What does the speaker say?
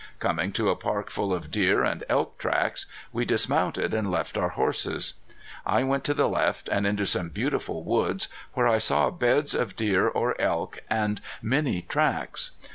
Coming to a park full of deer and elk tracks, we dismounted and left our horses. I went to the left, and into some beautiful woods, where I saw beds of deer or elk, and many tracks.